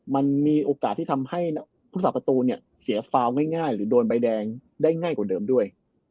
มันมีโอกาสที่ทำให้พุทธศาสประตูเนี่ยเสียฟาวง่ายหรือโดนใบแดงได้ง่ายกว่าเดิมด้วย